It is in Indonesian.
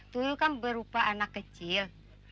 dulu kan berupa anak kecil